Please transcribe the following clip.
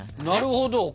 なるほど。